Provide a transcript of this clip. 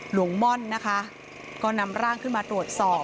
หลวงพ่อม่อนนะคะก็นำร่างขึ้นมาตรวจสอบ